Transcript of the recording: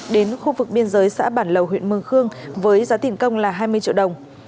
đến khu vực biên giới xã bản lầu huyện mường khương với giá tiền công là hai mươi triệu đồng